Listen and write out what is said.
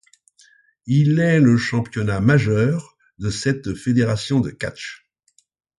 Il est le championnat majeur de cette fédération de catch.